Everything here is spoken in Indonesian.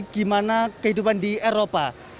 gimana kehidupan di eropa